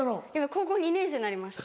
高校２年生になりました。